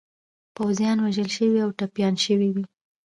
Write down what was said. پوځیان وژل شوي او ټپیان شوي دي.